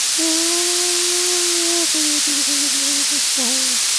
কেননা, সেগুলো মুক্তিযোদ্ধা পরিবারের তৃতীয় প্রজন্ম পর্যন্ত প্রসারিত নয়।